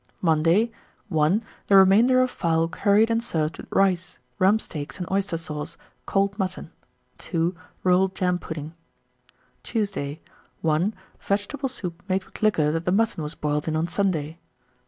1925. Monday. 1. The remainder of fowl curried and served with rice; rump steaks and oyster sauce, cold mutton. 2. Rolled jam pudding. 1926. Tuesday. 1. Vegetable soup made with liquor that the mutton was boiled in on Sunday.